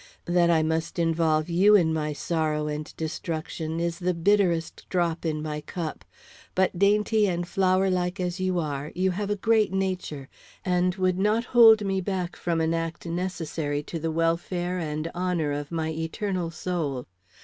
That I must involve you in my sorrow and destruction is the bitterest drop in my cup. But dainty and flower like as you are, you have a great nature, and would not hold me back from an act necessary to the welfare and honor of my eternal soul.